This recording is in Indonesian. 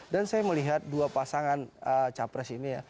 dan saya melihat dua pasangan capres ini ya